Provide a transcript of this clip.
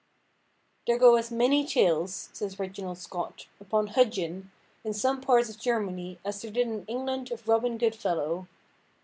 "There go as manie tales," says Reginald Scot, "upon Hudgin, in some parts of Germanie, as there did in England of Robin Good–fellow....